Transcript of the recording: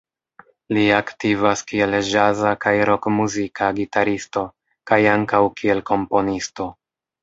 Li aktivas kiel ĵaza kaj rokmuzika gitaristo kaj ankaŭ kiel komponisto.